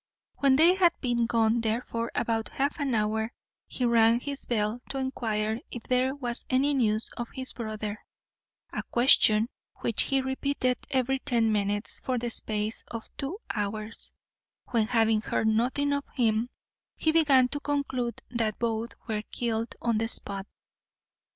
When they had been gone therefore about half an hour, he rang his bell to enquire if there was any news of his brother; a question which he repeated every ten minutes for the space of two hours, when, having heard nothing of him, he began to conclude that both were killed on the spot.